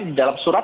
di dalam surat